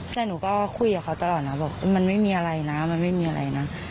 แต่หนูก็คุยกับเขาตลอดนะบอกมันไม่มีอะไรนะมันไม่มีอะไรนะ